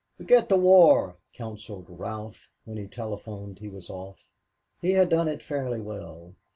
"Forget the war," counseled Ralph, when he telephoned he was off. He had done it fairly well.